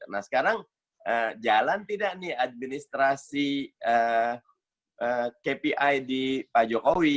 nah sekarang jalan tidak nih administrasi kpi di pak jokowi